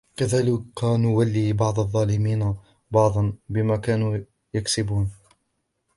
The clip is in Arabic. وكذلك نولي بعض الظالمين بعضا بما كانوا يكسبون